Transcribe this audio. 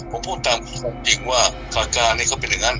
ผมพูดตามคำตอบจริงว่า